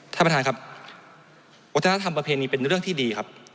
ท่านประธานครับวัฒนธรรมประเพณีเป็นเรื่องที่ดีครับ